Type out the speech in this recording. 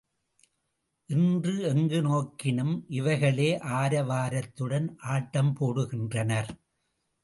இன்று எங்கு நோக்கினும் இவைகளே ஆரவாரத்துடன் ஆட்டம் போடுகின்றனர்.